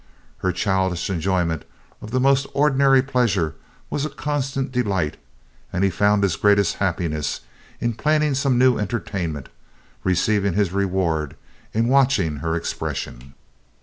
Her childish enjoyment of the most ordinary pleasures was a constant delight and he found his greatest happiness in planning some new entertainment, receiving his reward in watching her expression.